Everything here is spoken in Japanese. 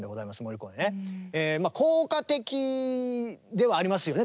効果的ではありますよね